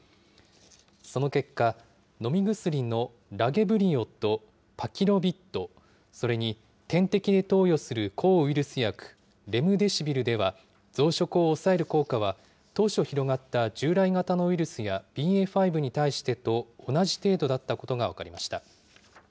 その結果、飲み薬のラゲブリオとパキロビッド、それに点滴で投与する抗ウイルス薬、レムデシビルでは、増殖を抑える効果は当初広がった従来型のウイルスやＢＡ．５に対してと同じ程度だったことが分かりました。